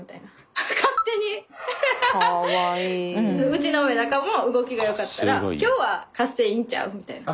うちのメダカも動きがよかったら今日は活性いいんちゃう？みたいな。